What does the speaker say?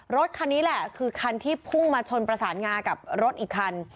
รถคันนี้แหละคือคันที่พุ่งมาชนประสานงากับรถอีกคัน